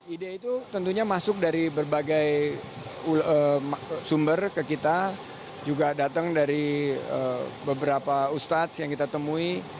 ide itu tentunya masuk dari berbagai sumber ke kita juga datang dari beberapa ustadz yang kita temui